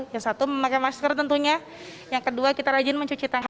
yang satu memakai masker tentunya yang kedua kita rajin mencuci tangan